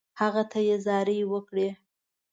هغه ته یې زارۍ وکړې.